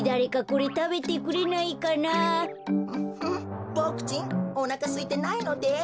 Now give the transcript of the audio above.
うボクちんおなかすいてないのです。